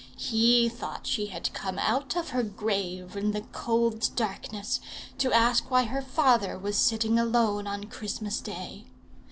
He thought she had come out of her grave in the cold darkness to ask why her father was sitting alone on Christmas day.